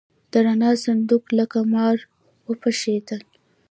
د رڼا صندوق لکه مار وپرشېده.